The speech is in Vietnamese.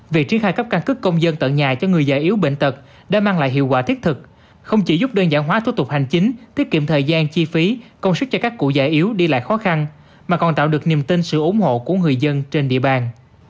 việc triển khai cấp căn cước công dân tận nhà cho người già yếu bệnh tật đã mang lại hiệu quả thiết thực không chỉ giúp đơn giản hóa thủ tục hành chính tiết kiệm thời gian chi phí công sức cho các cụ già yếu đi lại khó khăn mà còn tạo được niềm tin sự ủng hộ của người dân trên địa bàn